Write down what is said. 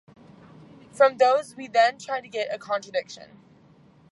From those we then try to get a contradiction.